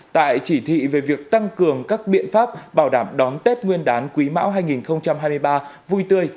tại chỉ thị về việc tăng cường các biện pháp bảo đảm đón tết nguyên đán quý mão hai nghìn hai mươi ba vui tươi